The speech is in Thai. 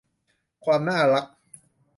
ความน่ารัก